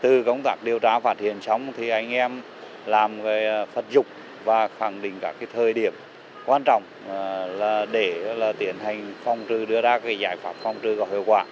từ công tác điều tra phát hiện xong thì anh em làm phật dục và khẳng định các thời điểm quan trọng là để tiến hành phòng trừ đưa ra giải pháp phòng trừ có hiệu quả